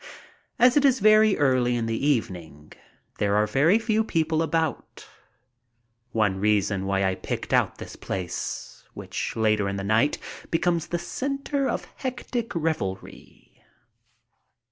As it is very early in the evening, there are very few people about, one reason why I picked out this place, which later in the night becomes the center of hectic revelry.